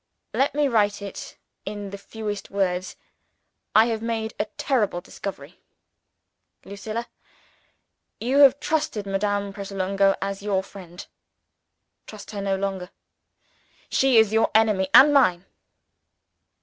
Let me write it in the fewest words. I have made a terrible discovery. Lucilla! you have trusted Madame Pratolungo as your friend. Trust her no longer. She is your enemy, and mine.